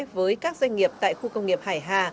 với các doanh nghiệp tại khu công nghiệp hải hà